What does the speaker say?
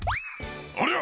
「ありゃ？